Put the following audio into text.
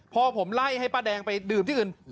พอผมไล่ให้ป้าแดงไปดื่มที่อื่น